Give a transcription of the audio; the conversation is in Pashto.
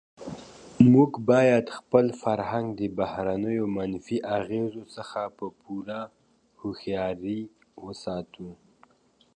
موږ باید خپل فرهنګ د بهرنیو منفي اغېزو څخه په پوره هوښیارۍ وساتو.